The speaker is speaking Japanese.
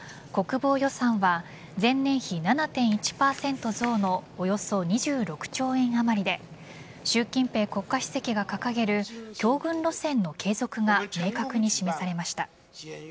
また、国防予算は前年比７．１％増のおよそ２６兆円あまりで習近平国家主席が掲げる強軍路線の継続が明確に示されました。